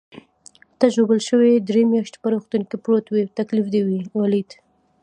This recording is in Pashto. ته ژوبل شوې، درې میاشتې په روغتون کې پروت وې، تکلیف دې ولید.